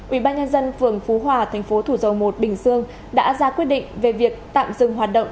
ubnd phường phú hòa thành phố thủ dầu một bình dương đã ra quyết định về việc tạm dừng hoạt động